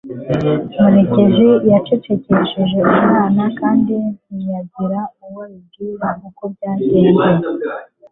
Murekezi yacecekesheje umunwa kandi ntiyagira uwo abwira uko byagenze.